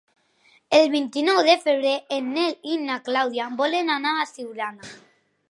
El vint-i-nou de febrer en Nel i na Clàudia volen anar a Siurana.